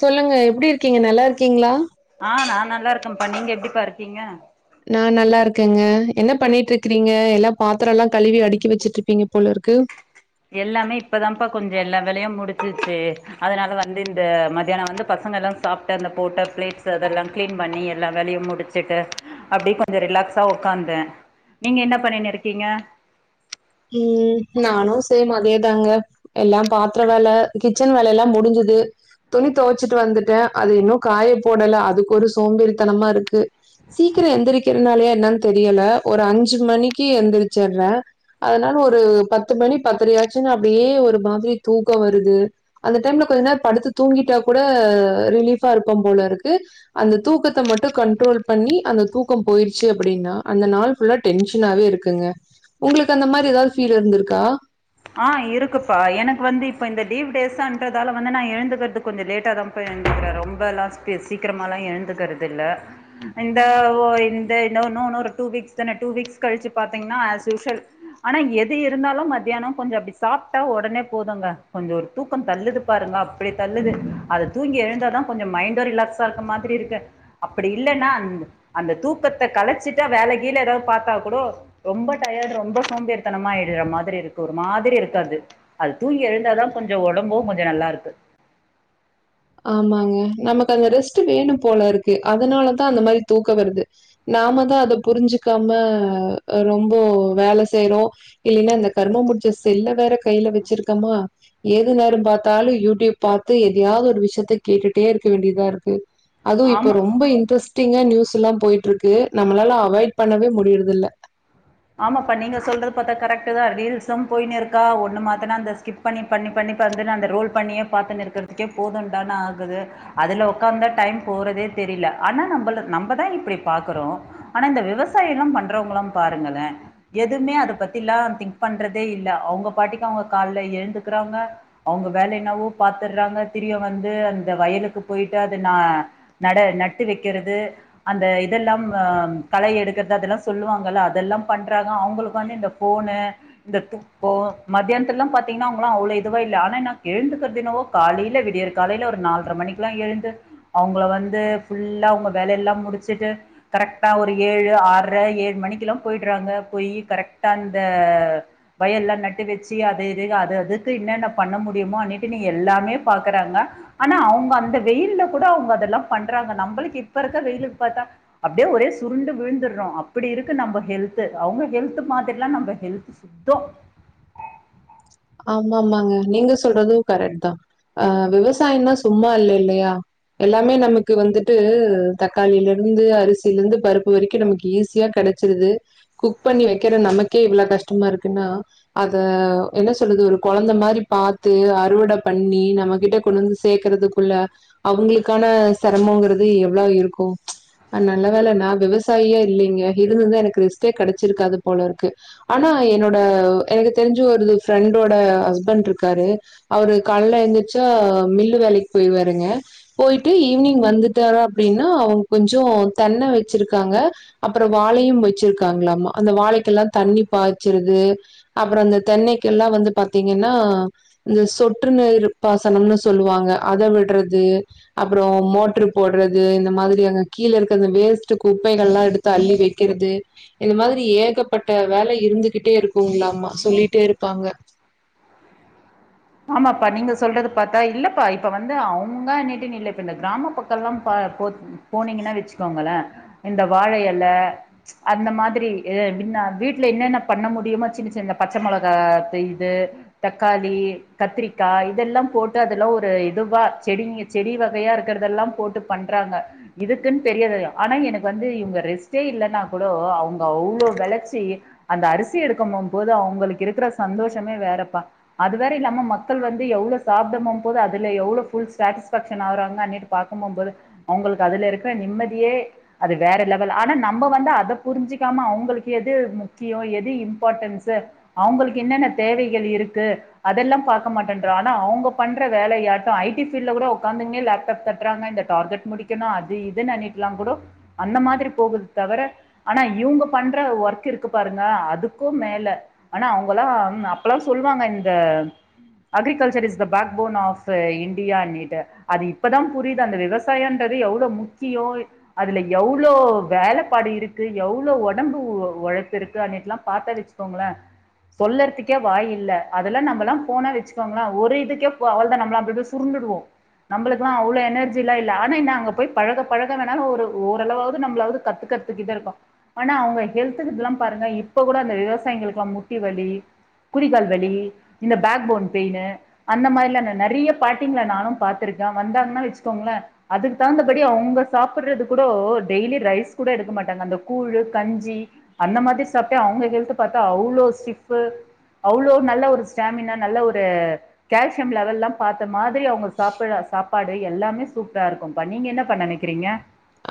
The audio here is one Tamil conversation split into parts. சொல்லுங்க எப்டி இருக்கீங்க நல்லா இருக்கீங்களா ஆ நா நல்லா இருக்கன்ப்பா நீங்க எப்டிப்பா இருக்கீங்க நான் நல்லா இருக்கேங்க என்ன பண்ணிட்டு இருக்கிறீங்க எல்லா பாத்திரம் எல்லாம் கழுவி அடிக்கி வச்சுட்டு இருப்பீங்க போல இருக்கு எல்லாமே இப்பதான்ப்பா கொஞ்சம் எல்லா வேலையும் முடிஞ்சிச்சு அதனால வந்து இந்த மத்தியான வந்து பசங்கள் எல்லாம் சாப்ட்ட அந்த போட்ட ப்ளேட்ஸ் அதெல்லா க்ளீன் பண்ணி எல்லா வேலையு முடிச் முடிச்சிட்டு அப்டி கொஞ்சோ ரிலாகஸ் ஒக்காந்தேன் நீங்க என்ன பண்ணினு இருக்கீங்க ம் நானும் சேம் அதேதாங்க எல்லாம் பாத்ர வேல கிச்சன் வேல எல்லாம் முடிஞ்சுது துணி தொவச்சிட்டு வந்துட்டே அது இன்னு காய போடல அதுக்கு ஒரு சோம்பேறித்தனமா இருக்கு சீக்கிர எந்திரிக்கிறனாலயா என்னன் தெரியல ஒரு அஞ்சு மணிக்கு எந்திரிச்சர்றே அதுனால ஒரு பத்து மணி பத்துரையாச்சுன்னா அப்டியே ஒரு மாதிரி தூக்கொ வருது அந்த டைம்ல கொஞ்ச நேர படுத்து தூங்கிட்டா கூட ரிலீஃபா இருக்கும் போலருக்கு அந்த தூக்கத்த மட்டு கண்ட்ரோல் பண்ணி அந்த தூக்கம் போயிருச்சு அப்புடின்னா அந்த நாள் ஃபுல்லா டென்ஷனாவே இருக்குங்க உங்களுக்கு அந்த மாரி எதாவ்து ஃபீல் இருந்துருக்கா? ஆ இருக்குப்பா எனக்கு வந்து இப்போ இந்த டீவ் டேஸான்றதால வந்து நா எழுந்துக்கற்து கொஞ்ச லேட்டா தாம் பா எழுந்துக்கிற ரொம்பல்லா சீக்கிரமால்லா எழுந்துக்கிறது இல்ல இந்த ஒ இந்த இன்னு னு னு ஒரு டூ வீக்ஸ் தானெ டூ வீக்ஸ் கழிச்சு பாத்தீங்னா ஆஸ்யூஷ்வல் ஆனா எது இருந்தாலு மத்யானொ கொஞ்ச அப்டி சாப்டா ஒடனே போதுங்க கொஞ்சொ ஒரு தூக்கம் தள்ளுது பாருங்க அப்டி தள்ளுது அது தூங்கி எழுந்தாதா கொஞ்சொ மைன்டு ரிலாக்ஸா இருக்க மாதிரி இருக்கு அப்பிடி இல்லனா அந் அந்த தூக்கத்த கலச்சிட்டா வேல கீல எதாவ் பாத்தா குடோ ரொம்ப டயர்ட் ரொம்ப சோம்பேறித்தனமா ஆயிட்ற மாதிரி இரு க்கு ஒரு மாதிரி இருக்கு அது அது தூங்கி எழுந்தாதா கொஞ்சொ ஒடம்பு கொஞ்சொ நல்லாருக்கு ஆமாங்க நமக்கு அந்த ரெஸ்ட்டு வேணும் போலருக்கு அதுனாலதா அந்த மாரி தூக்க வருது நாம தா அத புரிஞ்சுக்காம ரொம்போ வேல செய்றோ இல்லைனா இந்த கருமம் புடுச்ச செல்ல வேற கைல வச்சிருக்கமா எது நேரம் பாத்தாலு யூ டியூப் பாத்து எதயாவ்து ஒரு விஷ் யத்த கேட்டுட்டே இருக்க வேண்டியதா இருக்கு அதுவு இப்ப ஆமா ரொம்ப இன்ட்ரெஸ் டிங்கா நியூஸ் எல்லா போயிட்ருக்கு நம்மளால அவாய்ட் பண்ணவே முடியிறதில்ல ஆமாப்பா நீங்க சொல்றது பாத்தா கரெக்ட்டு தா ரீல்ஸும் போயினே இருக்கா ஒன்னு மாத்துனா அந்த ஸ்கிப் பண்ணி பண்ணி பண்ணி பாத்துட்டு நா அந்த ரோல் பண்ணியே பாத்துன்னு இருக்கற்துக்கே போதுன்டானு ஆகுது அதுல ஒக்காந்தா டைம் போறதே தெரில ஆனா நம்பள நம்பதா இப்பிடி பாக்குறோ ஆனா இந்த விவசாயல்லா பண்றவ்ங்களா பாருங்களே எதுவ்மே அத பத்தில்லா திங்க் பண்றதே இல்ல அவுங்க பாட்டுக்கு அவுங்க கால்ல எழுந்துக்குறாங்க அவுங்க வேல என்னவோ பாத்துர்றாங்க திரியு வந்து அந்த வயலுக்கு போயிட்டு அதனா நட நட்டு வக்கிறது அந்த இதெல்லாம் அ களை எடுக்கற்து அதெல்லா சொல்லுவாங்கல்ல அதெல்லாம் பண்றாங்க அவுங்களுக்கு வந்து இந்த ஃபோனு இந்த இப்போ மதியானத்துல்லா பாத்தீங்னா அவுங்களா அவ்ளோ இதுவா இல்ல ஆனா இன்னா எழுந்துக்கற்து என்னவோ காலைல விடியற் காலைல ஒரு நால்ர மணிக்குல்லா எழுந்து அவுங்ள வந்து ஃபுல்லா அவுங்க வேலைல்லா முடுச்சுட்டு கரெக்டா ஒரு ஏழு ஆற்ர ஏழு மணிக்கிலா போயிட்றாங்க போயி கரெக்டா இந்த பயர்லா‌ நட்டு வச்சு அது இது அது அதுக்கு இன்னன்ன பண்ண முடியுமோ அனிட்டு னி எல்லாமே பாக்குறாங்க ஆனா அவுங்க அந்த வெயில்ல கூட அவுங்க அதல்லா பண்றாங்க நம்பளுக்கு இப்ப இருக்க வெயிலுக் பாத்தா அப்டியே ஒரே சுருண்டு விழுந்துர்றோ அப்பிடி இருக்கு நம்ப ஹெல்த்து அவுங்க ஹெல்த்து மாதிரில்லா நம்ப ஹெல்த்து சுத்தொ ஆமா ஆமாங்க நீங்க சொல்றது கரெக்ட் தா அ விவசாயன்னா சும்மா இல்ல இல்லயா எல்லாமே நமக்கு வந்துட்டு தக்காளிலெர்ந்து அரிசிலெந்து பருப்பு வரைக்கு நமக்கு ஈஸியா கெட ச்சிருது குக் பண்ணி வக்கிற நமக்கே இவ்ள கஷ்டமா இருக்குன்னா அத என்ன சொல்றது ஒரு கொழந்த மாரி பாத்து அறுவட பண்ணி நம்மகிட்ட கொண்டு வந்து சேக்குறதுக்குள்ள அவுங்களுக்கான செரமோங்கிறது எவ்ளொ இருக்கு அ நல்ல வேள நா விவசாயியா இல்லெங்க இருந்துருந்தா எனக்கு ரெஸ்டே கெடச்சிருக்காது போலருக்கு ஆனா என்னோட எனக்கு தெரிஞ்சு ஒருது ஃப்ரெண்டோட ஹஸ்பண்ட்ருக்காரு அவரு கால்ல எந்துருச்சா மில்லு வேலைக்கு போயிருவாருங்க போயிட்டு ஈவினிங் வந்துட்டாரா அப்டின்னா அவுங்க கொஞ்ச தென்ன வச்சிருக்காங்க அப்ற வாழையும் வச்சிருக்காங்களாமா அந்த வாழைக்கெல்லா தண்ணி பாய்ச்சிருது அப்ற இந்த தென்னைக்கு எல்லா வந்து பாத்தீங்கன்னா இந்த சொட்ரு நீர்ப்பாசனம்னு சொல்லுவாங்க அத விட்றது அப்றோ மோட்ரு போட்றது இந்த மாதிரியான கீழ இருக்க வேஸ்ட்டு குப்பைகள்லா எடுத் தள்ளி வக்கிறது இந்த மாரி ஏகப்பட்ட வேல இருந்துக்கிட்டே இருக்குங்களாமா சொல்லிட்டே இரு ப்பாங்க ஆமாப்பா நீங்க சொல்றத பாத்தா இல்லப்பா இப்ப வந்து அவுங்கன்ட்டுன்னு இல்ல இப்ப இந்த கிராம பக்கல்லா ப போ போனீங்கன்னா வச்சுகோங்களே இந்த வாழ எல அந்தமாதிரி எ வின்ன வீட்ல என்னென்ன பண்ண முடியுமோ சின்ன சின்ன பச்ச மொளகா தெய்து தக்காளி கத்திரிக்கா இதெல்லா போட்டு அதெல்லா ஒரு இதுவா செடிங்க செடி வகையா இருக்கறதெல்லா போட்டு பண்றாங்க இதுக்குன்னு தெரியலையா ஆனா எனக்கு வந்து இவுங்க ரெஸ்ட்டே இல்லன்னா கூடோ அவுங்க அவ்ளோ வெளச்சி அந்த அரிசி எடுக்கம்ம போ போது அவுங்களுக்கு இருக்கிற சந்தோஷமே வேறப்பா அது வேற இல்லாம ம மக்கள் வந்து எவ்ளோ சாப்டமுமீ போது அதுல எவ்ளோ ஃபுல் சேட்டீஸ்பேக்ஷன் ஆகறாங்க அன்ட்டு பாக்குமும் போது அவுங்களுக்கு அதுல இருக்கற நிம்மதியே அது வேற லெவல் ஆனா நம்ம வந்து அத புரிஞ்சுக்காம அவுங்களுக்கு எது முக்கியோ எது இம்பார்ட்டன்ஸு அவுங்களுக்கு என்னென்ன தேவைகள் இருக்கு அதெல்லா பாக் க மாட்டேன்றோ அவுங்க பண்ற வேலையாட்டோ ஐ டி ஃபீல்ட்ல கூட ஒக்காந்துக்கினே லேப்டப் தட்றாங்க இந்த டார்கெட் முடிக் கணு அது இதுனு நெனக்கலா கூடோ அந்த மாதிரி போகுது தவர ஆனா இவுங்க பண்ற ஒர்க் இருக்கு பாருங்க அதுக்கும் மேல ஆனா அவுங்கள்லா அப்பல்லா சொல்லுவாங்க இந்த agriculture is the backbone of இந்தியான்னிட்டு அது இப்பதா புரியுது அந்த விவசாயன்றது எவ்ளோ முக்கியோ அதுல எவ்ளோ வேலப்பாடு இருக்கு எவ்ளோ ஒடம்பு ஒழப்பு இருக்குனுட்டுல்லா பாத்தன்னு வச்சுக் கோங்கள சொல்லறதுக்கே வாய் இல்ல அதெல்லா நம்மளா போனா வச்சுப் பாங்களா ஒரு இதுக்கே பல அவ்ளோ தா நம்பளா அப்டியே சுருண்டுடுவோ நம்பளுக்கெல்லா அவ்ளோ எனர்ஜிலா இல்ல ஆனா என்ன அங்க போய் பழக பழக வேணாலு ஒரு ஓரளவாவுது நம்பளாவது கத்துக்கறத் துக்கே இருக்கோ ஆனா அவுங்க ஹெல்த்து கிதுல்லா பாருங்க இப்ப கூட அந்த விவசாயிங்களுக்குல்லா முட்டி வலி குதி கால் வலி இந்த பேக் போன் பெயினு அந்த மாரில்லால்ல நெறைய பாட்டிங்கள நானு பாத்துருக்க வந்தாங்கன்னா வச்சுக்கோங்கள அதுக்கு தகுந்தபடி அவுங்க சாப்புறது கூடோ டெய்லி ரைஸ் கூட எடுக்க மாட்டாங்க அந்த கூழு கஞ்சி அந்த மாதி சாப்ட்டே அவுங்க ஹெல்த்து பாத்தா அவ்ளோ சிப்பு அவ்ளோ நல்ல ஒரு ஸ்டாமினா நல்ல ஒரு கேல்சியம் லெவல்லா பாத்த மாதிரி அவுங்க சாப்பிட சாப்பா டு எல்லாமே சூப்பரா இருக்கும்பா நீங்க என்னப்பா நெனக்கிறீங்க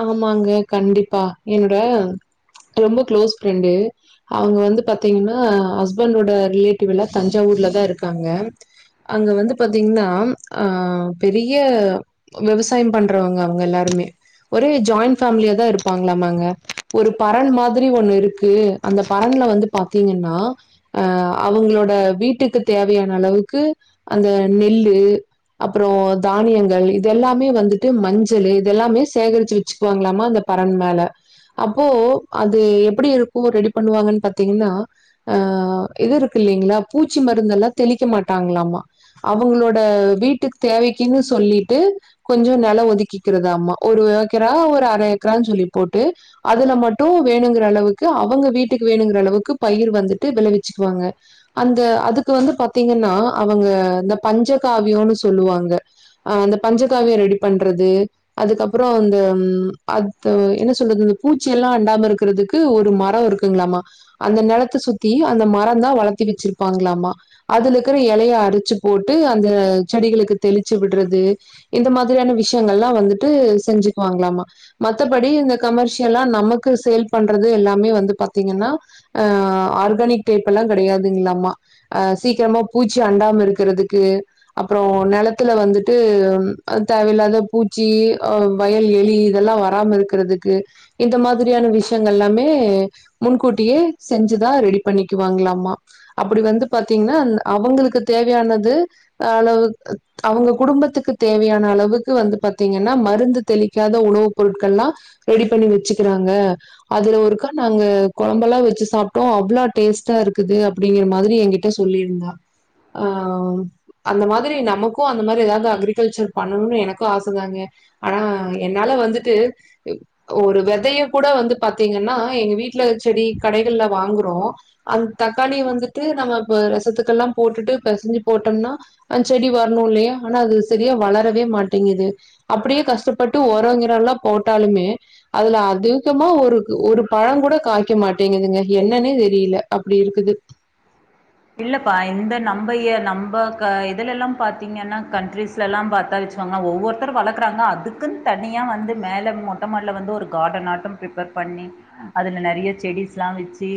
ஆமாங்க கண்டிப்பா என்னோட ரொம்ப க்ளோஸ் ஃப்ரெண்டு அவுங்க வந்து பாத்தீங்கனா ஹஸ்பண்டோட ரிலேட்டிவ் எல்லா தஞ்சாவூர்லதா இருக்காங்க அங்க வந்து பாத்தீங்கன்னா ஆ பெரிய விவசாயம் பண்றவங்க அவுங்க எல்லாருமே ஒரே ஜாயிண்ட் ஃபேமிலியா தா இருப்பாங்களாமாங்க ஒரு பரண் மாதிரி ஒண்ணு இருக்கு அந்த பரண்ல வந்து பாத்தீங்கன்னா ஆ அவுங்களோட வீட்டுக்கு தேவையான அளவுக்கு அந்த நெல்லு அப்பறோ தானியங்கள் இது எல்லாமே வந்துட்டு மஞ்சளு இது எல்லாமே சேகரிச்சு வச்சுக்குவாங்களாம்மா அந்த பரண் மேல அப்போ அது எப்டி இருக்கு ரெடி பண்ணுவாங்கன்னு பாத்தீங்கன்னா அ இது இருக்கு இல்லங்களா பூச்சி மருந்தெல்லா தெளிக்க மாட்டாங்ளாமா அவுங்களோட வீட்டுக்கு தேவைக்குன்னு சொல்லிட்டு கொஞ்சோ நெலோ ஒதுக்கிக்றதாமா ஒரு ஏக்கரா ஒரு அர ஏக்கரான்னு சொல்லி போட்டு அதுல மட்டு வேணுங்கிற அளவுக்கு அவங்க வீட்டுக்கு வேணுங்கிற அளவுக்கு பயிர் வந்துட்டு விளைவிச்சுக்குவாங்க அந்த அதுக்கு வந்து பாத்தீங்ன்னா அவுங்க அந்த பஞ்சகாவியோனு சொல்லுவாங்க அ அந்த பஞ்சக்காவியோ ரெடி பண்றது அதுக்கப்றோ அந்த அத்த என்ன சொல்றது இந்த பூச்சியெல்லா அண்டாம இருக்றதுக்கு ஒரு மரோ இருக் குங்களாமா அந்த நெலத்த சுத்தி அந்த மரந்தா வளத்தி வச்சிருப்பாங்களாமா அதுல இருக்கிற எலைய அரிச்சு போட்டு அந்த செடிகளுக்கு தெளிச்சு விடுறது இந்த மாதிரியான விஷயங்கள்லா வந்துட்டு செஞ்சுக்குவாங்களாமா மத்தபடி இந்த கமர்ஷியலா நமக்கு சேல் பண்றது எல்லாமே வந்து பாத்தீங்கன்னா ஆ ஆர்கானிக் டேப் எல்லா கெடையாதுங்ளாமா அ சீக்கரமா பூச்சி அண்டாம இருக்கறதுக்கு அப்பறோ நெலத்துல வந்துட்டு தேவயில்லாத பூச்சி அ வயல் எலி இதெல்லா வராம இருக்கறதுக்கு இந்த மாதிரியான விஷயங்கள்லாமே முன்கூட்டியே செஞ்சுதா ரெடி பண்ணிக்குவாங்ளாமா அப்படி வந்து பாத்தீங்கன்னா அவங்களுக்கு தேவையானது அ அளவு அவுங்க குடும்பத்துக்கு தேவையான அளவுக்கு வந்து பாத்தீங்க னா மருந்து தெளிக்காத உணவுப் பொருட்கள்லா ரெடி பண்ணி வச்சுக்கிறாங்க அதுல ஒருக்கா நாங்க கொழம்பெல்லா வச்சு சாப்ட்டோ அவ்ளோ டேஸ்ட்டா இருக்குது அப்படிங்கிற மாதிரி எங்கிட் ட சொல்லி இருந்தா ஆ அந்த மாதிரி நமக்கு அந்த மாரி ஏதாவது அக்ரிகல்ச்சர் பண்ணணுன்னு எனக்கு ஆச தாங்க ஆனா என்னால வந்துட்டு ஒரு வெதைய கூட வந்து பாத்தீங்கன்னா எங்க வீட்ல செடி கடைகள்ல வாங்குறோ அந்த தக்காளிய வந்துட்டு நம்ம இப்ப ரசத்துக்கல்லா போட்டுட்டு பெசஞ்சு போட்டோம்னா அந் செடி வரணு இல்லையா ஆனா அது சரியா வளரவே மாட்டேங்குது அப்படியே கஷ்டப்பட்டு ஒரங்கிறோல்லாம் போட்டாலுமே அதுல அதிகமா ஒரு ஒரு பழோ கூட காய்க்க மாட்டேங்குதுங்க என்னன்னே தெரியல அப்படி இருக்குது இல்லப்பா இந்த நம்ப எ நம்ப க இதுலல்லாம் பாத்தீங்கன்னா கண்ட்ரிஸ் லலாம் பாத்தா வச்சுகோங்க ஒவ்வொருத்தரு வளக்குறாங்க அதுக்குன் தனியா வந்து மேல மொட்டமாட்டல வந்து ஒரு கார்டன் ஆட்ட பிரிப்பர் பண்ணி அதுல நறைய செடிஸ்ல்லா வச்சு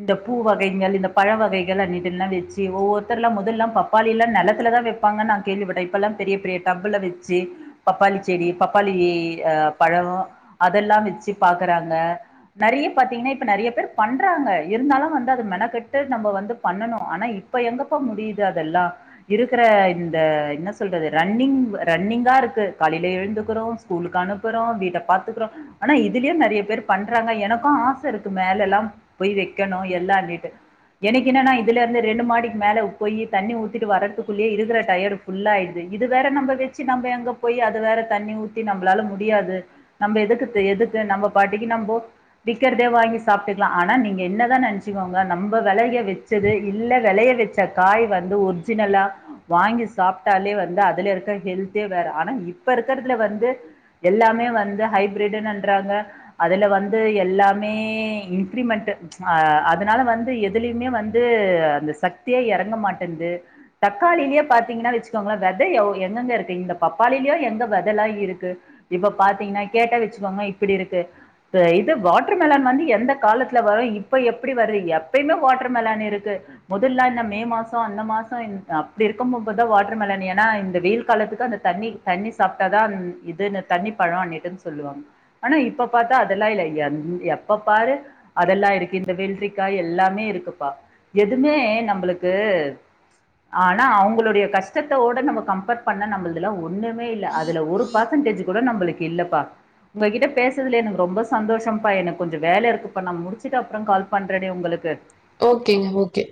இந்த பூ வகைகள் இந்த பழ வகை [unintelligible] வச்சு ஒவ்வொருத்தர்லா முதல்லா பப்பாளிலா நெலத்து தா நா வைப்பாங்க கேள்விப்பட்ட இப்பலா பெரிய பெரிய டப்புல வச்சு பப்பாளி செடி பப்பாளி அ பழோ அதெல்லா வச்சு பாக்குறாங்க நறைய பாத்தீங்கன்னா இப்ப நறைய பேர் பண்றாங்க இருந்தாலு வந்து அத மெனக்கெட்டு நம்ம வந்து பண்ணனு ஆனா இப்ப எங்கப்ப முடியுது அதெல்லா இருக்கற இந்த என்ன சொல்றது ரன்னிங் ரன்னிங்கா இருக்கு கலையில எழுந்துக்கிறோ ஸ்கூலுக்கு அனுப்புறோ வீட்ட பாத்துக்குறோ ஆனா இதுலயே நறைய பேர் பண்றாங்க எனக்கு ஆச இருக்கு மேலல்லாம் போய் வைக்கணு எல்லாண்டிடு எனக் என்னன்னா இதுல இருந்து ரெண்டு மாடிக்கு மேல போயி தண்ணி ஊத்திட்டு வரத்துக்குள்ளே இருக்கற டயர்டு ஃபுல்லாயிடுது இது வேற நம்ப வச்சு நம் எங்க போய் அத வேற தண்ணி ஊத்தி நம்பளால முடியாது நம்ப எதுக்கு எதுக்கு நம்ப பாட்டிக்கு நம்போ விக்கறதே வாங்கி சாப்ட்டுக்கலா ஆனா நீங்க என்னதா நெனசுக்கோங்க நம்ப வெலைய வ ச்சது இல்ல வெளைய வச்ச காய் வந்து ஒரிஜினலா வாங்கி சாப்பிட்டாலே வந்து அதுல இருக்க ஹெல்த்தே வேற ஆனா இப்ப இருக்கறதுல வந்து எல்லாமே வந்து ஹைப்ரிடுன்னுன்றாங்க அதுல வந்து எல்லாமே இன்கிரிமென்ட் அ அதனால வந்து எதுலயுமே வந் து அந்த சக்தியே எறங்க மாட்டேன்து தக்காளிலேயே பாத்தீங்கன்னா வச்சுக்கோங்களே வெத எங்கெங்க இருக்கு இந்த பப்பாளிலயு எங்க வெதைல்லா இருக்கு இப்ப பாத்தீங்கன்னா கேட்ட வச்சுக்கோங்க இப்படி இருக்கு இந்த இது வாட்டர் மெலன் வந்து எந்த காலத்துல வரு இப்ப எப்டி வருது எப்பயுமே வாட்டர் மெலன் இருக்கு மொதல்ல என்ன மே மாசம் அந்த மாசம் அப்டி இருக்கு போம்போதுதா ஏன்னா இந்த வெயில் காலத்துக்கு அந்த தண்ணி தண்ணி சாப்பிட்டாதா இதுன்னு தண்ணப்பழோ அப்டின்ட்டு சொல்லுவாங்க ஆனா இப்ப பாத்தா அதெல்லா இல்ல எந் எப்ப பாரு அதெல்லா இருக்கு இந்த வெள்ரிக்கா எல்லாமே இருக்குப்பா எதுமே நம்மளுக்கு ஆனா அவங்களுடைய கஷ்டத்தோட நம்ம கம்பேர் பண்ண நம்பளுதுலா ஒண்ணுமே இல்ல அதுல ஒரு பர்சன்டேஜ் கூட நம்பளுக்கு இல்லப்பா உங்ககிட்ட பேசுதுல எனக்கு ரொம்ப சந்தோஷம்ப்பா எனக்கு கொஞ்சோ வேல இருக்குப்பா நா முடிச்சுட்டு அப்பறோ கால் பண்றனே உங்களுக்கு ஒகேங்க, ஒகே